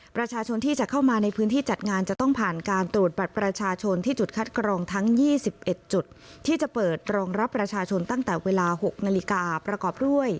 ประชาชนที่จะเข้ามาในพื้นที่จัดงานจะต้องผ่านการตรวจบัตรประชาชนที่จุดคัดกรองทั้ง๒๑จุดที่จะเปิดรองรับประชาชนตั้งแต่เวลา๖นาฬิกาประกอบด้วย